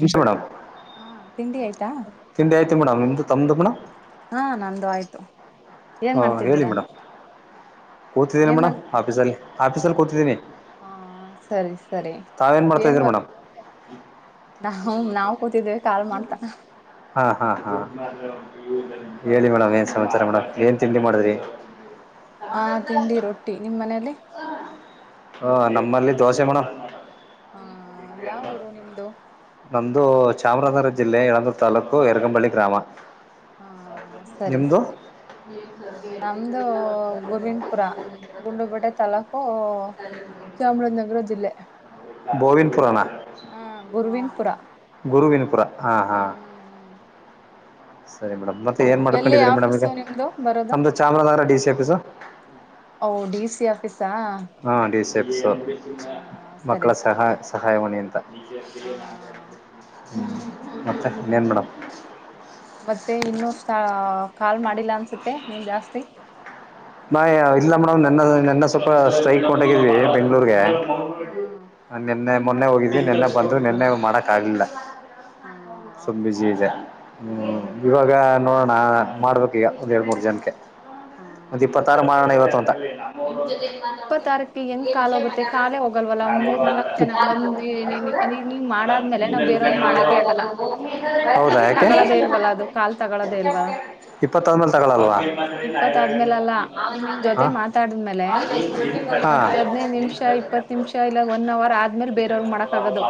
ನಿ ಮೇಡಮ್ ಹಾ ತಿಂಡಿ ಆಯ್ತಾ ತಿಂಡಿ ಆಯ್ತಿ ಮೇಡಮ್ ನಿಮ್ದು ತಮ್ಮ್ದ ಮಡ್ ಹಾ ನಂದು ಆಯ್ತು ಏನ್ ಹಾ ಹೇಳಿ ಮಾಡ್ತಿದ್ದೀರಾ ಮೇಡಮ್ ಕೂತಿದ್ದೀನಿ ಏನ್ ಮಾಡ ಮೇಡಮ್ ಆಫೀಸಲ್ಲಿ ಆಫೀಸಲ್ಲಿ ಕೂತಿದ್ದೀನಿ ಹಾ ಸರಿ ಸರಿ ತಾವೇನ್ ಮಾಡ್ತಾ ಏನ್ ಇದೀರಿ ಮೇಡಮ್ ನಾವು ನಾವು ಕೂತಿದ್ದೇವಿ ಕಾಲ್ ಮಾಡ್ತಾ ಹಾ ಹಾ ಹಾ ಹೇಳಿ ಮೇಡಮ್ ಏನ್ ಸಮಾಚಾರ ಮೇಡಮ್ ಏನ್ ತಿಂಡಿ ಮಾಡಿದ್ರಿ ಹಾ ತಿಂಡಿ ರೊಟ್ಟಿ ನಿಮ್ ಮನೇಲಿ ಹಾ ನಮ್ಮಲ್ಲಿ ದೋಸೆ ಮೇಡ ಹಾ ಯಾವ ಊರು ನಿಮ್ದು ಇದು ಚಾಮರಾಜನಗರ ಜಿಲ್ಲೆ ಯಳಂದೂರು ತಾಲ್ಲೂಕು ಎರಗಂಬಳ್ಳಿ ಗ್ರಾಮ ಹಾ ಸರಿ ನಿಮ್ದು ಸರಿ ನಮ್ದು ಗೋವಿಂದಪುರ ಗುಂಡ್ಲುಪೇಟೆ ತಾಲ್ಲೂಕು ಓ ಚಾಮರಾಜನಗರ ಜಿಲ್ಲೆ ಬೋವನ್ ಪುರಾಣ ಹಾ ಗುರ್ವಿಂದ್ಪುರ ಗುರುವಿನಪುರ ಹಾ ಹಾ ಸರಿ ಮೇಡಮ್ ಮತ್ತೆ ಏನ್ ಎಲ್ಲಿ ಮಾಡ್ಕೊಂಡಿದೀರಿ ಮೇಡಮ್ ಈಗ ಆಫೀಸು ನಿಮ್ದು ಬರೋದು ನಮ್ದು ಚಾಮರಾಜನಗರ ಡಿ ಸಿ ಆಫೀಸ ಓ ಡಿ ಸಿ ಆಫೀಸಾ ಹಾ ಓಕೆ ಡಿ ಸಿ ಓಕೆ ಎಫಸ ಹಾ ಸರಿ ಮಕ್ಕಳ ಸರಿ ಸಹಾಯ ಸಹಾಯವಾಣಿ ಅಂತ ಹಾ [inaudible] ಮತ್ತೆ ಇನ್ನೇನ್ ಮೇಡಂ ಮತ್ತೆ ಇನ್ನು ಕಾಲ್ ಮಾಡಿಲ್ಲ ಅನ್ಸುತ್ತೆ ನೀವು್ ಜಾಸ್ತಿ ನಾ ಇಲ್ಲ ಮೇಡಮ್ ನನ್ನ ನೆನ್ನ ಸ್ವಲ್ಪ ಸ್ಟ್ರೈಕ್ ಮಾಡೊಂಡೋಗಿದ್ವಿ ಬೆಂಗ್ಳೂರ್ಗೆ ಹಾ ಹಾ ನಿೆನ್ನೆ ಮೊನ್ನೆ ಹೋಗಿದ್ವಿ ನೆನ್ನೆ ಬಂದರು ನೆನ್ನೆ ಮಾಡಕ್ ಆಗ್ಲಿಲ್ಲ ಹಾ ಸುಮ ಹೌದು ಬಿಜಿ ಇದೆ ಹ್ಮ್ ಇವಾಗ ನೋಡೋಣ ಮಾಡ್ಬೇಕು ಈಗ ಒಂದ ಎರಡು ಮೂರು ಜನಕ್ಕೆ ಹಾ ಮಾಡಣ ಇವತ್ತು ಅಂತ ಇಪ್ಪತ್ ತಾರೀಕಿಗೆ ಹೆಂಗ್ ಕಾಲ್ ಹೋಗುತ್ತೆ ಕಾಲೇ ಹೋಗಲ್ವಲ್ಲ ಒಂದ್ ೊ ಮೂರ್ ನಾಲ್ಕ್ ಜನ ಒಂದ್ ನೀವ್ ಮಾಡಾದ್ಮೇಲೆ ನಾವ್ ಬೇರೆಯವ್ರ ಮಾಡಕೆ ಆಗಲ್ಲ ಮಾ ಹೌದಾ ಯಾಕೆ ತಗಳದೇ ಇಲ್ವಲ್ಲ ಅದು ಕಾಲ್ ತಗಳದೇ ಇಲ್ವಲ್ಲ ಇಪ್ಪತ್ತೊಂದೇಲ್ ತಗೊಳಲ್ವಾ ಇಪ್ಪತ್ ಆದ್ಮೇಲೆ ಅಲ್ಲ ಈಗ ನಿಮ್ ಹಾ ಜೊತೆ ಮಾತಾಡಿದ್ಮೇಲೆ ಹಾ ಹತ್ ಹದ್ನೈದ್ ನಿಮಿಷ ಇಪ್ಪತ್ ನಿಮಿಷ ಇಲ್ಲ ಒನ್ ಅವರ್ ಆದ್ಮೇಲೆ ಬೇರೆಯವ್ರಗ್ ಮಾಡಕ್ ಆಗದು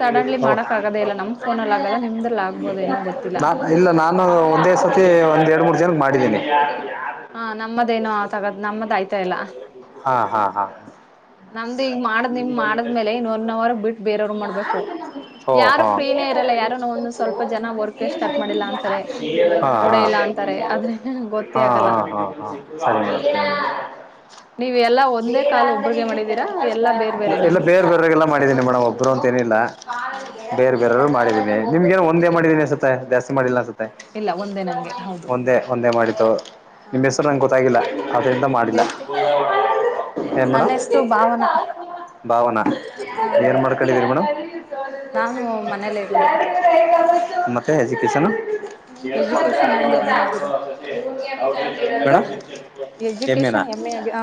ಸಡನ್ಲಿ ಮಾಡಕ್ ಆಗದೇ ಇಲ್ಲ ನಮ್ ಫೋನಲ್ಲಿ ಆಗಲ್ಲ ನಿಮ್ದ್ರಲ್ಲಿ ಆಗ್ಬೋದೇನೋ ಗೊತ್ತಿಲ್ಲ ನಾ ಇಲ್ಲ ನಾನು ಒಂದೇ ಸತಿ ಒಂದೆರಡು ಮೂರು ಜನ ಮಾಡಿದ್ದೀನಿ ಹಾ ನಮ್ಮ ಹಾ ಹಾ ಹಾ ಹ ನಮ್ದು ಈಗ ಮಾಡದ್ ನಿಮ್ ಮಾಡದ್ಮೇಲೆ ಇನ್ ಒನ್ ಅವರ್ ಬಿಟ್ಟು ಬೇರೆಯವ್ರು ಮಾಡ್ಬೇಕು ಹಓ ಯಾರು ಹಾ ಫ್ರೀನೇ ಇರಲ್ಲ ಯಾರು ಒಂದ್ ಸ್ವಲ್ಪ ಜನ ವರ್ಕ್ ಸ್ಟಾರ್ಟ್ ಮಾಡಿಲ್ಲ ಅಂತಾರೆ ನಾನು ಹಾ ನೋಡೇ ಹಾ ಇಲ್ಲ ಅಂತಾರೆ ಆದ್ರೆ ಗೊತ್ತೇ ಹಾ ಹಾ ಆಗಲ್ಲ ಹಾ ಹಾ ಸ ನೀವು ಎಲ್ಲಾ ಒಂದೇ ಕಾಲ್ ಒಬ್ಬ್ರಗೆ ಮಾಡಿದೀರಾ ಎಲ್ಲಾ ಬೇರ್ ಬೇರೆನಾ ಎಲ್ಲ ಬೇರ್ ಬೇರಗೆಲ್ಲ ಮಾಡಿದೀನಿ ಮೇಡಮ್ ಒಬ್ರು ಅಂತ ಏನಿಲ್ಲ ಹ ಬೇರೆ ಬೇರರು ಮಾಡಿದೀನಿ ನಿಮ್ಗೆೇನು ಒಂದೇ ಮಾಡಿದೀನಿ ಸ ಜಾಸ್ತಿ ಮಾಡಿಲ್ಲ ಸ ಇಲ್ಲ ಒಂದೇ ನಂಗೆ ಹೌದು ಒಂದೇ ಒಂದೇ ಮಾಡಿದ್ದು ಹಾ ನಿಮ್ಮ್ ಹೆಸರು ನಂಗೆ ಗೊತ್ತ ಾಗಿಲ್ಲ ಅದರಿಂದ ಮಾಡಿಲ್ಲ ಎಲ್ಲಿರ್ತಿ ಏನು ಮೇಣ ನನ್ನ ಹೆಸರು ಭಾವನಾ ಭಾವನಾ ಹ ಏನ್ ಮಾಡ್ಕೊಂಡಿದ್ದೀರಿ ಮೇಡಮ್ ನಾನು ಮನೇಲ್ಲೇ ಇರೋದು ಮತ್ತೆಜಿ ಇಸನಾ ಎಜುಕೇಶನ್ ನಮ್ದು ಹೆಮ್ಮೆ ಆಗಿದೆ ನಿಮ್ದು ಹೇಳಣ್ಣ ಎಮ್ಮೆನಾ ಎಜುಕೇಶನ್ ಎಮ್ಮೆ ಆಗಿ ಹ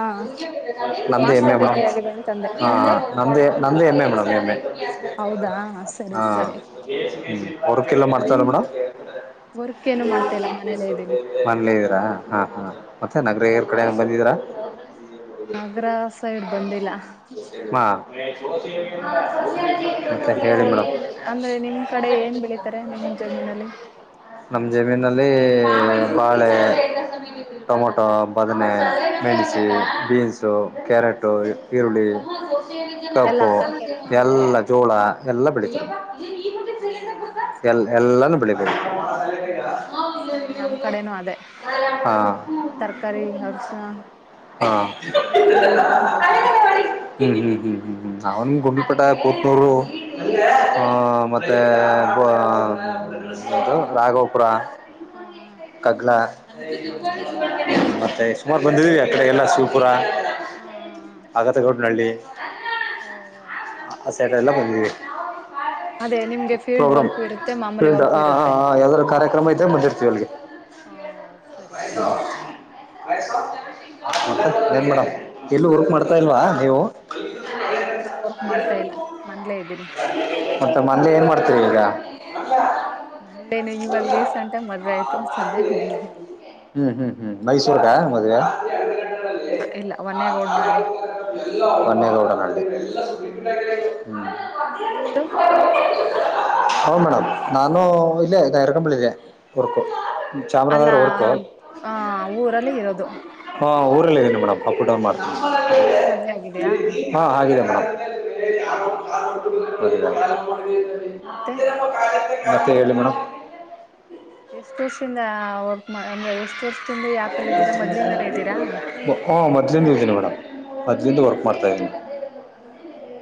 ನಮ್ದ ಎಮ್ಮೆ ಮಾಸ್ಟರ್ ಡಿಗ್ರಿ ಆಗಿದೆ ಅಂತಂದೆ ಹ ನಿಮ್ದು ನಂದ ನಂದ ಎಮ್ಮ ಮ ನ ಎಮ್ಮ ಹೌದಾ ಸರಿ ಹಾ ಸರಿ ಹ್ಮ್ ಹೊರ್ಕಲ್ಲ ಮಾಡ್ತಲ್ಲ ನಿಮ್ ಮೇಡಮ್ ವರ್ಕ್ ಏನು ಮಾಡ್ತಾ ಇಲ್ಲ ಮನೇಲ್ಲೇ ಇದ್ದೀನಿ ಮನ್ಲಿ ಇದ್ದೀರಾ ಹಾ ಹಾ ಮತ್ತೆ ನಗರ ಎರ್ ಕಡೆ ಬಂದಿದ್ದೀರಾ ನಗರ ಸೈಡ್ ಬಂದಿಲ್ಲ ಹಾ ಹ್ಮ್ ನಿಮ್ದು ಏನ್ ಅಂದ್ರೆ ನಿಮ ಕಡೆ ಏನ್ ಬೆಳಿತಾರೆ ನಿಮ ಜಮೀನಲ್ಲಿ ನಮ ಜಮೀನಲ್ಲಿ ಬಾಳೆ ಹ ಟೊಮೊಟೊ ಬದನೆ ಹ ಮೆಣಸಿ ಹ ಬೀನ್ಸು ಹ ಕ್ಯಾರೆಟು ಈರುಳ್ಳಿ ಎಲ್ಲಾ ಕಬ್ಬು ತರಕಾರಿ ಹ ಎಲ್ಲ ಜೋಳ ಎಲ್ಲ ಹ ಬೆಳಿತಾರೆ ಹೌದಾ ಎಲ್ ಸರಿ ಸರಿ ಎಲ್ಲಾನು ಬೆಳಿಬೇಕು ಹ್ಮ್ ಸೇ ನಮ್ ಕಡೆನೂ ಅದೇ ಹಾ ನಾವು ತರಕಾರಿ ಹಗಸನಾ ಹಾ ಹ ಹ್ಮ್ ಹ್ಮ್ ಹ್ಮ್ ಹ್ಮ್ ಅವನ್ ಗುಂಡಪಟ ಕೂತನೋರು ಹ್ಮ ಆ ಮ ರಾಗೋಫ ಹಾ ಹಾ ಕಗ್ಲ ಹ್ಮ್ ಹ್ಮ್ ಹ್ಮ್ ಮತ್ತೆ ಸುಮಾರು ಬಂದಿದೀವಿ ಅಕಡೆಗೆಲ್ಲ ಶಿವಪುರ ಹಾ ಹಾ ಹಾ ಆಗತಗೋಡ್ಡನಳ್ಳಿ ಓ ಆ ಸೆಟ ಎಲ್ಲ ಹಂದ ಅದೇ ನಿಮ್ಗೆ ಫೀಲ್ಡ್ ಪ್ರೋಗ್ರಾಮ್ ವರ್ಕು ಇರುತ್ತೆ ಮಾಮೂಲಿ ಫೀಲ್ಡ್ ವರ್ಕು ಆ ಇರುತ್ತೆ ಯಾವ್ದಾದ್ ಕಾರ್ಯಕ್ರಮ ಐತೆ ಮುಂದೆಲ್ಡ್ಗೆ ಹ ಸರಿ ಸರಿ ಸರಿ ಮತ್ತೆ ಏನು ಮೇಡಮ್ ಹಾಗಾದ್ರೆ ಎಲ್ಲೂ ವರ್ಕ್ ಹಾ ಮಾಡ್ತಾ ಇಲ್ವಾ ನೀವು ಹಾ ನಾನ ಎಲ್ಲೂ ವರ್ಕ್ ಮಾಡ್ತಾ ಇಲ್ಲ ಮಂದ್ಲೇ ಇದ್ದೀನಿ ಮತ್ತೆ ಮನೆ ಏನ್ ಮಾಡ್ತೀರಿ ಈಗ ನಂದೇನು ಇವಾಗ ರೀಸೆಂಟ್ ಆಗ ಮದ್ ಆ ಸದ್ಯ ನಂದೆದನಿ ಹ್ಮ್ ಹ್ಮ್ ಹ್ಮ್ ಮೈಸೂರು ಕ ಮದ್ವವೆ ಇಲ್ಲ ಒ ಒನ್ನೇದೋಡನಡಿ ಹ ನಿಮ್ದು ಹಾಂ ಮೇಡ್ ನಾನು ಇಲ್ಲೇಗೈರಗಂಬಳ ಇದೆ ಊರ್ಕು ಅಲ್ಲ ಚಾಮರಾಜನಗರ ಊರ್ಕ ಹ ಊರಲ್ಲಿ ಇರೋದು ಹಾ ಊರಲ್ಲ ಇದೀನಿ ಮೇಡಮ್ ಅಪ್ ಡೌನ್ ಹ ಮಾಡ್ತೀನಿ ನಿಮ್ ಮದ್ವೆ ಆಗಿದೆಯಾ ಹಾಂ ಹಾಗಿದೆ ಮೇಡಮ್ ಹ ಓಕೆ ಹ್ಮ್ ಓಕೆ ಮತ್ತೆ ತೇಲ್ಮಣ ಎಷ್ಟು ದರ್ಷಿಂದ ಎಷ್ಟು ವರ್ಷದಿಂದ ಯಾಪಲ್ಲಿ ಇದ್ದೀರಾ ಮೊದ್ಲಿಂದಾನೇ ಇದ್ದೀರಾ ಹ ಮದ್ಲಿಜನ ಮೇಡಮ್ ಹದ್ನಿಂದ ಹ್ಮ ವರ್ಕ್ ಮಾಡ್ತಾ ಇದ್ದೀನಿ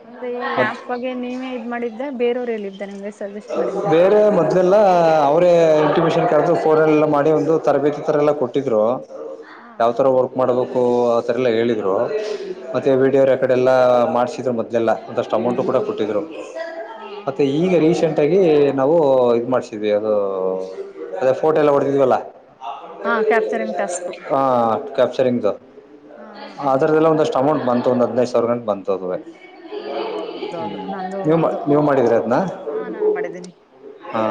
ಅಂದ್ರೆ ಈ ಮತ್ ಆಪ್ ಬಗ್ಗೆ ನೀವೇ ಇದ್ ಮಾಡಿದ್ದೆ ಬೇರವ್ರು ಎಲ್ಲ ಇದಿದ್ದ ನಿಮ್ಗೆ ಸಜೆಸ್ಟ್ ಮಾಡಿದ್ದ ಬೇರೆ ಮದೆ ಎಲ್ಲ ಅವರೇ ಇಂಟಿಮೇಷನ್ ಕರೆದು ಫೋನ್ ಎಲ್ಲ ಮಾಡಿ ಒಂದು ತರಬೇತಿ ತರ ಎಲ್ಲ ಕೊಟ್ಟಿದ್ರು ಹಾ ಯಾವತರ ಹಾ ವರ್ಕ್ ಮಾಡಬೇಕು ಆಥರ ಎಲ್ಲ ಹೇಳಿದ್ರು ಹಾ ಮತ್ತೆ ಹಾ ವಿಡಿಯೋರ್ ಯ ಕಡೆ ಎಲ್ಲ ಮಾಡ್ಸಿದ್ರು ಮೊದ್ಲೆಲ್ಲಾ ಒಂದಷ್ಟು ಅಮೌಂಟು ಹಾ ಕೂಡ ಕೊಟ್ಟಿದ್ದರು ಹಾ ಹಾ ಮತ್ತು ಹಾ ಹಾ ಈಗ ರೀಸೆಂಟ್ ಆಗಿ ನಾವು ಇ ಮಾಡ್ಸಿದ್ವಿ ಅದು ಅದೇ ಫೋಟೋ ಎಲ್ಲ ಹೊಡೆದಿದ್ವಲ್ಲ ಹಾ ಹಾ ಕ್ಯಾಪ್ಚರಿಂಗ್ ಟಾಸ್ಕು ಹಾ ಸರಿಂಗ ಹಾ ಸ ಹಾ ಅದರದೆಲ್ಲ ಒಂದಷ್ಟು ಅಮೌಂಟ್ ಬಂತ ಒಂದಂದು ಹದಿನೈದು ಸಾವಿರ ಗಂಟೆ ಬಂತದವೆ ಹಾ ಹೌದೌದು ನಂದು ಅದು ನೀವು ಮಾಡಿದ್ರಿ ಅದನ್ನ ನಾನು ಮಾಡಿದ್ದೀನಿ ಹಾ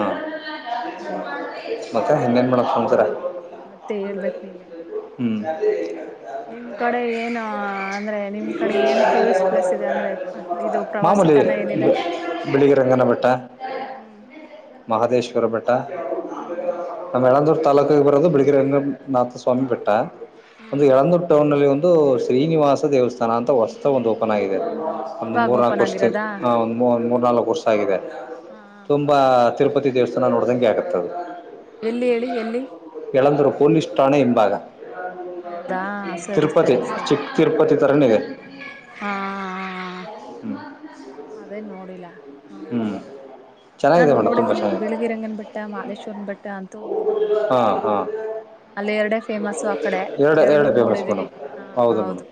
ಹ್ಮ್ ಮತ್ತೆ ಹಿಂದೇನ್ ಮಾಡಕ್ಂತಾರ ಮತ್ತೆ ಹೇಳ್ಬೇಕ್ ನೀವೇ ಹ್ಮ್ ಅದೇ ನಿಮ್ ಕಡೆ ಏನ್ ಅಂದ್ರೆ ನಿಮ್ ಕಡೆ ಏನ್ ಟೂರಿಸ್ಟ್ ಪ್ಲೇಸ್ ಇದೆ ಅಂದ್ರೆ ಇದು ಪ್ರವಾಸ ಮಲೆ ಬೆಳಿಗ್ಗೆ ರಂಗನ ಬೆಟ್ಟ ಹ್ಮ್ ಮಹದೇಶ್ವರ ಬೆಟ್ಟ ಹ್ಮ್ ಹ್ಮ್ ನಮ್ಮಳಂದೂರ್ ತಾಲೂಕು ಬರೋದು ಬಿಡಗಿ ರಂಗನಾಥ ಸ್ವಾಮಿ ಬೆಟ್ಟ ಹ್ಮ್ ಒಂದು ಹ್ಮ್ ಯಳಂದೂರು ಟೌನ್ ಅಲ್ಲಿ ಒಂದು ಒಂದು ಶ್ರೀನಿವಾಸ ದೇವಸ್ಥಾನ ಅಂತ ಹೊಸ್ತ ಒಂದು ಓಪನ್ ಆಗಿದೆ ಒಂದು ಇವಾಗ ಮೂರುನಾಲ್ಕು ಓಪನ್ ವರ್ಷ ಆಗಿರೋದಾ ಹ ಒಂದು ಮೂರುನಾಾಲ್ಕುರ್ಷ ಆದೆ ಹಾ ಹ ತಿರುಪತಿ ದೇವಸ್ಥಾನ ನೋಡ್ದಂಗೆ ಆಗದು ಎಲ್ಲಿ ಹೇಳಿ ಎಲ್ಲಿ ಎಳಂದರುೂ ಪೊಲೀಸ್ ಠಾಣೆ ಹಿಂಭಾಗ ಹೌದಾ ಸರಿ ತಿರುಪತಿ ಸರಿ ಸರಿ ಚಿಕ್ಕ ತಿರುಪತಿ ತಥರನ ಇದೆ ಹಾ ಹ್ಞೂ ಅದೇ ನೋಡಿಲ್ಲ ಹಾ ಹ್ಞೂ ನಾನು ಚೆನ್ನಾಗಿದೆ ಮೇಡಮ್ ತುಂಬ ನೋಡಿದ್ದೀನಿ ಚೆನ್ನಾಗಿದೆ ಬಿಳಗಿರಂಗನ್ ಬೆಟ್ಟ ಮಾಹದೇಶ್ವರನ ಬೆಟ್ಟ ಅಂತೂ ನೋಡಿದ್ದೀನಿ ಹಾಂ ಹಾಂ ಅಲ್ಲಿ ಎರಡ ಫೇಮಸ್ಆ ಕಡೆ ಎರಡು ನೋಡಿದೀನಿ ಹ ಹೌದು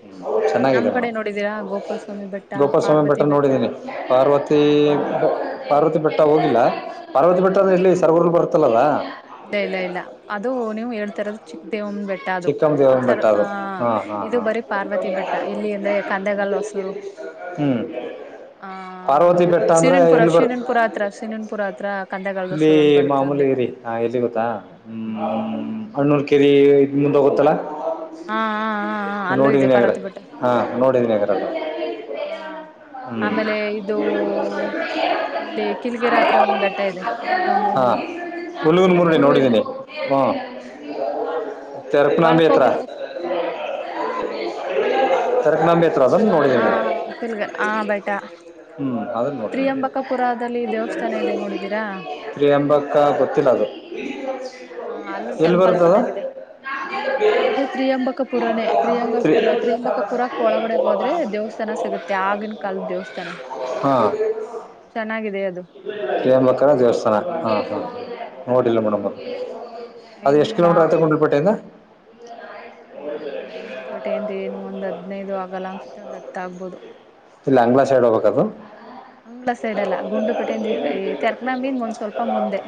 ನಮ್ ಚೆನ್ನಾಗಿದೆ ಕಡೆ ಮೇಡಮ್ ನೋಡಿದೀರಾ ಗೋಪಾಲಸ್ವಾಮಿ ಬೆಟ್ಟ ಗೋಪಾಲಸ್ವಾಮಿ ಪಾರ್ವತಿ ಬೆಟ್ಟ ನೋಡಿದ್ದೀನಿ ಪಾರ್ವತಿ ಆ ಪಾರ್ವತಿ ಬೆಟ್ಟ ಹೋಗಿಲ್ಲ ಹ ಪಾರ್ವತಿ ಬೆಟ್ಟ ಇಲ್ಲಿ ಸರ್ಗೂರ್ಲ್ಲಿ ಬರ್ತಲ್ಲಾ ಇಲ್ಲ ಇಲ್ಲ ಇಲ್ಲ ಅದು ನೀವು ಹೇಳ್ತರದ ಚಿಕ್ ದೇವನ್ ಬೆಟ್ಟ ಅದು ಚಿಕ್ಕಮ್ಮ ದೇವನ ಬೆಟ್ಟ ಸರ್ ಅದು ಅ ಹಾಂ ಹಾಂ ಇದು ಹಾಂ ಬರೀ ಪಾರ್ವತಿ ಬೆಟ್ಟ ಇಲ್ಲಿ ಅಂದ್ರೆ ಕಂದೆಗಲ್ ಸರು ಹ್ಮ್ ಹ ಸೀರನ್ಪುರ ಬರ್ ಶೀರನ್ಪುರ ಹತ್ರ ಸೀನನ್ಪುರ ಹತ್ರ ಕ ಇಲ್ಲಿ ಮಾಮೂಲಿಗರಿ ಹ ಎಲ್ಲಿ ಗೊತ್ತಾ ಹ್ಮ್ ಹ್ಮ ಹಣ್ಣೂಲ್ಕೇರಿ ಹೋಗತ್ತಾ ಹಾ ಹಾ ಹಾ ಹಾ ಅಲ್ಲೂ ಇದೆ ಆಗ್ರ ಪಾರ್ವತಿ ಬೆಟ್ಟ ಹಾ ಹ್ಮ್ ಹ್ಮ್ ನೋಡಿದೀನಿ ಆಗ್ರ ಹಾ ಹ್ಮ್ ಆಮೇಲೆ ಇದು ಇಲ್ಲಿ ಕಿಲಗಿರಾತ್ರ ಒಂದು ಬೆಟ್ಟ ಇದೆ ಹುಳ್ಗಮೂಡಿ ಹಾಂ ಹುಲ್ಗನ್ ಗುರು ಇಲ್ಲ ಮೂರುನೋಡಿದ್ದೀನಿ ಹ್ಞ ಒಳಕ್ ತರ್ಪ್ನಂದತ್ರ ಹೋಗಿರ್ಬೇಕು ಹಾ ಹಾ ಹ ತಿಲಗಲ್ಲ ಆ ಬಯಟ ಹ್ಮ್ ಇನ್ನು ಅದನ್ನ ನೋಡಿದೀನಿ ತ್ರಿಯಂಬಕಪುರದಲ್ಲಿ ದೇವಸ್ಥಾನ ಇದೆ ನೋಡಿದೀರಾ ಪ್ರೀ ಎಂಬಕ್ಕ ಗೊತ್ತಿಲ್ಲ ಅದು ಹಾ ಅಲ್ಲೂ ಟೆಂಪಲ್ ಚೆನ್ನಾಗಿದೆ ಹ್ಮ ಅದು ತ್ರಿಯಂಬಕಪುರನೇ ತ್ರಿಯಂಗಪುರ ತ್ರಿಯಂಬಕಪುರಕ್ಕೆ ಒಳಗಡೆಗೆ ಹೋದ್ರೆ ದೇವಸ್ಥಾನ ಸಿಗುತ್ತೆ ಆ ಕಲ್ ದವುತಿನ ಹಾ ಚೆನ್ನಾಗಿದೆ ಅದು ತ್ರಿಯಂಬಕರ ದೇವಸ್ಥಾನ ಹ ಹಾ ಹ ನೋಡಿಲ್ಲ ಮೇಡ ಬ ಅದು ಇನ್ ಎಷ್ಟು ಕಿಲೋಮೀಟರ್ ಆಯತ ಕುಂಡಲ್ಪೇಟೆಯಿಂದ ಏಹೆಂಗ್ ಗುಂಡ್ಲು ಬೇಟೆದ ಏನು ಒಂದ ಹದ್ನದು ಆಗಲ್ಲ ಅನ್ಸುತ್ತೆ ಒಂದ್ ಹತ್ತ ಆಗ್ಬೋದು ಬಾಂಗ್ಲಾ ಸೈಡ್ ಹೋಗಬೇಕದು ಅಂಗ್ಳ ಸೈಡ್ ಅಲ್ಲ ಗುಂಡುಪೇಟೆಯಿಂದ ಈ ತರ್ಕನ ಮೀನ್ ಒಂದ್ ಸ್ವಲ್ಪ ಮುಂದೆ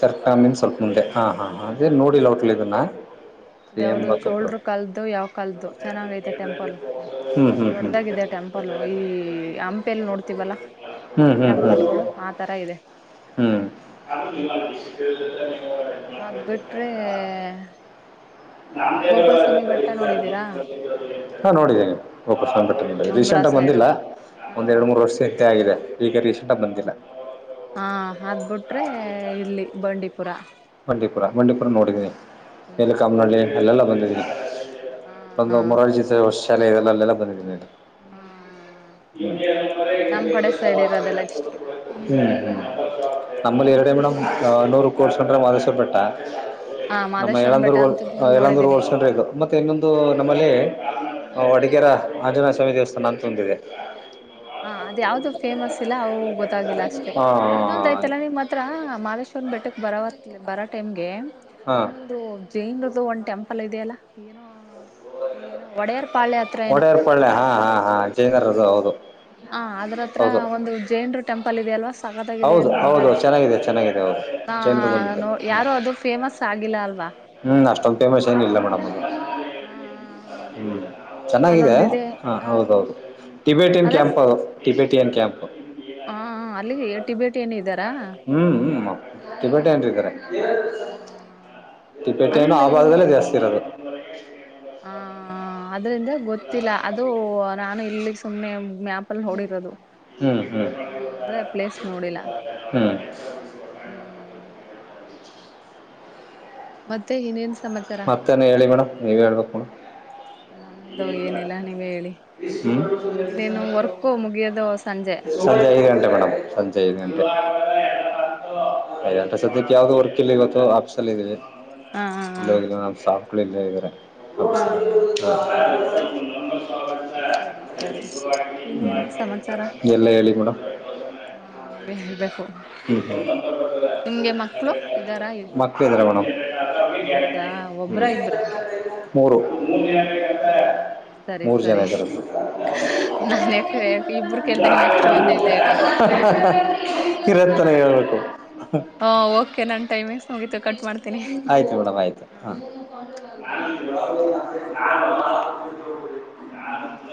ಚರ್ಕ ಮೀನ್ ಸ್ವಲ್ಪ ಮುಂದೆ ಹಾ ಹಾ ಅದೇ ನೋಡಿಲ್ಲ ಹೊಟ್ಲ್ ಇದನ್ನ ಅದ ಯಾವ್ದ ಚೋಲ್ರು ಕಲ್ದುು ಯಾವ್ ಕಾಲದು ಚೆನ್ನಾಗೈತೆ ಟೆಂಪಲ್ ಹ್ಞೂ ಹ್ಞೂ ಹ್ಞೂ ದೊಡ್ಡದಾಗಿದೆ ಟೆಂಪಲ್ ಈ ಹಂಪ ಎಲ್ಲಿ ನೋಡ್ತವಲ್ಲಾ ಹ್ಞೂ ಟೆಂಪಲ್ಗಳು ಆ ತರ ಇದೆ ಹ್ಮ್ ಅದ್ ಬಿಿಟ್ರೆ ಹಾ ನೋಡಿದ್ದೇಿ ಒಪ ಹಾ ಸಂಘಟನೆ ಅಂಗ್ಳ ರೀಸೆಂಟ್ಗ ಸೈಡು ಬಂದಿಲ್ಲ ಹಾ ಒಂದ್ ಎರಡು ಹಾ. ಮೂರು ವರ್ಷ ಇತ್ತ ಆಗಿದೆ ಈಗ ರೀಸೆಂಟ್ ಆಗ ಬಂದಿಲ್ಲ ಹಾ ಅದಬಿಟ್ರೆ ಇಲ್ಲಿ ಬಂಡೀಪುರ ಮಂಡೀಪುರ ಮಂಡೀಪುರ ನೋಡಿದೀನಿ ಮಲ ಕಾಮನಳ್ಳಿ ಹ್ಮ್ ಅಲ್ಲೆಲ್ಲ ಬಂದಿದೀನಿ ಹಾ ಒಂದು ಮರಳ ಜತೆ ವರ್ಷ ಶಾಲೆ ಇದೆಲ್ಲ ಅಲ್ಲೆಲ್ಲ ಬಂದಿದ್ದೀನಿಡಿ ಹಾ ಹ ಇರೋದೆಲ್ಲ ಇಷ್ಟು ನಮ್ಮಳ ಎರಡೆ ಎಮಣ ನೂರು ಕೋಡ್ ಆದೇಶ ಬೆಟ್ಟ ಹಾ ಮಾದೇಶ್ವರಂ ಬೆಟ್ಟ ಅಂತ ಫುಲ್ ನಮ್ಮಳಂದೂರುಳಂದೂರು ನೋಡಿದೀನಿ ಹೋಲ್ಸ್ರೆ ಮತ್ತೆ ಇನ್ನೊಂದು ಇದು ನಮ್ಮಲ್ಲಿ ಹ್ಮ್ ವಡಿಗೆೇರ ಆಂಜನೇಯ ಸ್ವಾಮಿ ದೇವಸ್ಥಾನ ಅಂತಂದಿದೆ ಹಾ ಅದ ಯಾವ್ದು ಫೇಮಸ್ ಇಲ್ಲ ಅವು ಗೊತ್ತಾಗಿಲ್ಲ ಅಷ್ಟೆ ಇನ್ನೊಂದ ಹಾಂ ಆಯ್ತಲ್ಲ ನಿಮ್ ಮಾತ್ರ ಮಾ್ ಬೆಟ್ಟಕ್ ಬರ ಬರ ಟೈಮ್ಗೆ ಹಾಂ ಇನ್ನೊಂದು ಜೈನ್ ಇದು ಒಂದು್ ಟೆಂಪಲ್ ಇೆಯ ಅಲ್ಲ ಏನೋ ್ಯಏನೋ ಒಡೆಯಾರ್ ಪಾಳ ಯಾತ್ರ ಏನೋ ಒಡೆಯರ್ ಪಾಳ್ಯ ಹಾಂ ಹಾಂ ಹಾಂ ಜೈನರದು ಹೌದು ಹ ಅದ್ರತ್ರ ಹೌದು ಒಂದು ಜೈನ್ರು ಟೆಂಪಲ್ ಇದೆಯಲ್ವಾ ತಕತಾಗಿದೆ ಹೌದು ಅಂತ ಹೌದು ಅಂತಾರೆ ಚೆನ್ನಾಗಿದೆ ಚೆನ್ನಾಗಿದೆ ಹೌದು ನ ಜೈನರದ್ದು ಒಂದಿದೆ ನೋ ಯಾರು ಅದು ಫೇಮಸ್ ಆಗಿಲ್ಲ ಅಲ್ವಾ ಹ್ಮ್ ಅಷ್ಟೊಂದು ಮೇಶಷ ಏ ಇಿಲ್ಲ ಮೇಡಮ್ಗೆ ಹಾ ಹ್ಮ ಹ್ಮ್ ಚೆನ್ನಾಗಿದೆ ಹ ಹೌದೌದು ಟಿಬೆಟಿನ್ ಕ್ಯಾಂಪ್ ಟಬೆಟ ಟಿಯನ್ ಕ್ಯಾಂಪ್ು ಹಾ ಅಲ್ಲಿಗೆ ಟಿಬೇಟಿ ಏನ ಇದ ಹ್ಮ್್ಮ ತಿಟಿಪೇಟೆ ಅನ್ರುಾರೆ ತಿಟಿಪೇಟೆನ್ನು ಅಲ್ಲಿ ಆ ಭಾಗದಲ್ಲೇ ಜಾಸ್ತಿ ಇರೋದು ಬರ ಹ ಅದ್ರಿಂದ ಗೊತ್ತಿಲ್ಲ ಅದು ನಾನು ಇಲ್ಲಿಗ್ ಸುಮ್ನೆ ಮ್ಯಾಪಲ್ಲಿ ನೋಡಿರೋದು ಹ್ಮ್ ಹ್ಮ್ ಆದ್ರೆ ಪ್ಲೇಸ್ ನೋಡಿಲ್ಲ ಹ್ಮ್ ಹ್ಮ್ ಮತ್ತೆ ಇನೇನ್ ಮತ್ತನ ಹೇಳಿ ಮೇಡಮ್ ನೀವ ಹೇಳ್ಬೇಕು ಮೇಡಮ್ ನಂದು ಏನಿಲ್ಲ ನೀವ್ ಹೇಳಿ ಹ್ಮ್ ಇನ್ನೇನು ವರ್ಕು ಮುಗಿಯೋದು ಸಂಜೆ ಸದ ಈಗ ಣ ಸಂಜಯ ಹಾ ಓಕೆ ಓಕೆ ಐದಂಟ ಸದ್ಯಕ್ಕೆ ಯಾವ್ದೋ ವರ್ಕ್ ಇಲ್ಲಿ ಗೊತ್ತು ಆಫೀಸಲ್ಲಿ ಇದೀವಿ ಹಾ ಹಾ ಹಾ ಇಲ್ಲ ಹೋಗಿಲ್ಲ ನಮ್ ಸಾಪ್ಗಳಿಲ್ಲ ಇದ್ರೆ ಹಾ ಹಾ ಹ ಸರಿ ಸರಿ ಇನ್ನೇನು ಸಮಾಚಾರ ಹ್ಮ ಎಲ್ಲ ಹೇಳಿ ಮೇಡಮ ಹಾ ನೀವೇ ಹೇಳ್ಬೇಕು ಹ್ಮ್ ನಿಮ್ಗೆ ಮಕ್ಕಳು ಇದಾರ ಮಕ್ಕಳಿದ್ದಾರೆ ಮೇಡಮ್ ಹೌದು ಒಬ್ಬ್ರ ಇಬ್ರ ಹ ಓ ಸರಿ ಸರಿ ನಾನ ಯ ಇಬರು ಕೇಳ್ದ ನಿಮ್ ಎ ಇರತ್ತನ ಹೇಳ್ಬೇಕು ಹ ಓಕೆ ನನ್ ಟೈಮಿಂಗ್ಸ್ ಮುಗಿತು ಕಟ್ ಮಾಡ್ತೀನಿ. ಆಯ್ತು ಮೇಡಮ್ ಆಯ್ತು ಹಾ [inaudible]